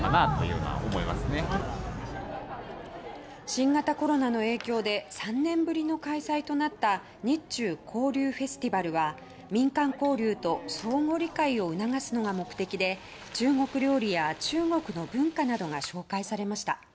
新型コロナの影響で３年ぶりの開催となった日中交流フェスティバルは民間交流と相互理解を促すのが目的で中国料理や中国の文化などが紹介されました。